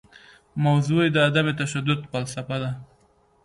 موضوع یې د عدم تشدد فلسفه ده.